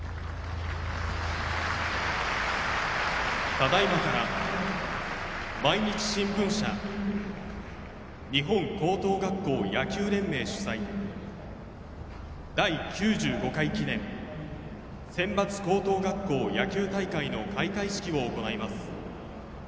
ただ今から、毎日新聞社日本高等学校野球連盟主催第９５回記念選抜高等学校野球大会の開会式を行います。